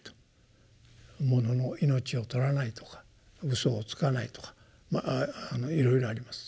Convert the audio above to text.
ものの命を取らないとかうそをつかないとかいろいろあります。